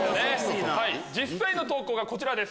実際の投稿がこちらです。